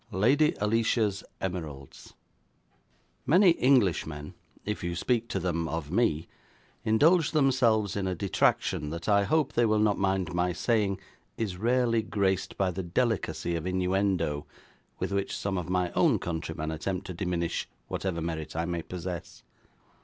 8. Lady Alicia's Emeralds Many Englishmen, if you speak to them of me, indulge themselves in a detraction that I hope they will not mind my saying is rarely graced by the delicacy of innuendo with which some of my own countrymen attempt to diminish whatever merit I may possess.